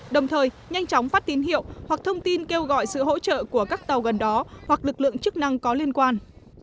đồng thời nhanh chóng phát tín hiệu hoặc thông tin kêu gọi sự hỗ trợ của các tàu gần đó hoặc lực lượng chức năng có liên quan